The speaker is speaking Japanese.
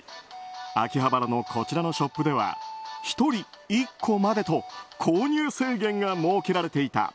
秋葉原のこちらのショップでは１人１個までと購入制限が設けられていた。